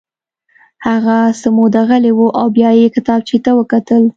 هغه څه موده غلی و او بیا یې کتابچې ته وکتل